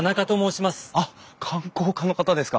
あっ観光課の方ですか。